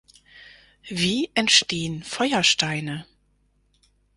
Wie entstehen Feuersteine?